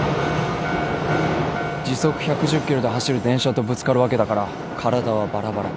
時速１１０キロで走る電車とぶつかるわけだから体はばらばら。